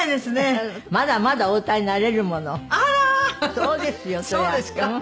そうですか？